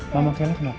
mama kelih kenapa